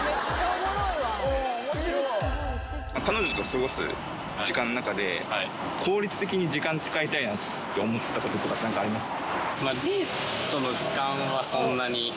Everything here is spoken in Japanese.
彼女と過ごす時間の中で効率的に時間使いたいなって思ったこととかあります？